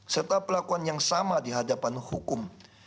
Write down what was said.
serta pelakuan yang sama dihadapan hukum